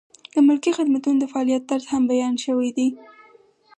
د ملکي خدمتونو د فعالیت طرز هم بیان شوی دی.